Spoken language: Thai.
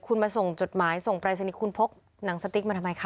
คุณมาส่งจดหมายส่งปรายศนีย์คุณพกหนังสติ๊กมาทำไมคะ